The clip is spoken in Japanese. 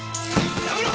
やめろ！